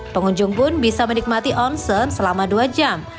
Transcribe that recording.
pengunjung pun bisa menikmati onsen selama dua jam